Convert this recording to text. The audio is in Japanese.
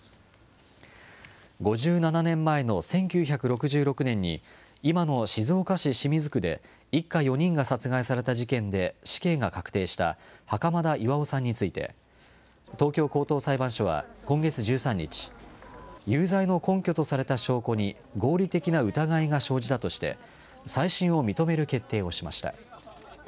５７年前の１９６６年に、今の静岡市清水区で、一家４人が殺害された事件で死刑が確定した袴田巌さんについて、東京高等裁判所は、今月１３日、有罪の根拠とされた証拠に合理的な疑いが生じたとして、再審を認める決定をしました。